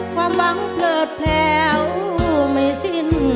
ความหวังเพลิดแผลวไม่สิ้น